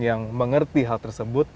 yang mengerti hal tersebut